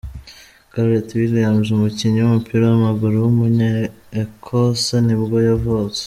Gareth Williams, umukinnyi w’umupira w’amaguru w’umunya Ecosse nibwo yavutse.